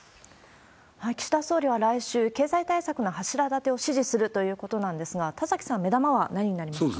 岸田総理は来週、経済対策の柱建てを指示するということなんですが、田崎さん、目玉は何になりますか？